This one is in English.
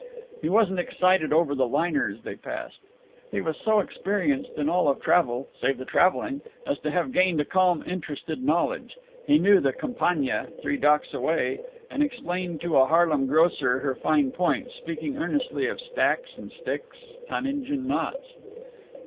He wasn't excited over the liners they passed. He was so experienced in all of travel, save the traveling, as to have gained a calm interested knowledge. He knew the Campagnia three docks away, and explained to a Harlem grocer her fine points, speaking earnestly of stacks and sticks, tonnage and knots.